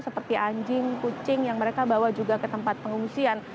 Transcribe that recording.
seperti anjing kucing yang mereka bawa juga ke tempat pengungsian